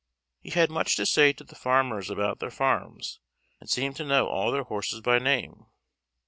He had much to say to the farmers about their farms, and seemed to know all their horses by name.